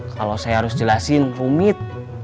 kalau saya harus jelasin rumit